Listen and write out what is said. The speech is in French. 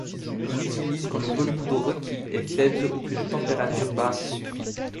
On l'utilise quand le volume d'eau requis est faible ou qu'une température basse suffit.